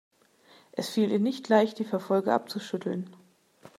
Es fiel ihr nicht leicht, die Verfolger abzuschütteln.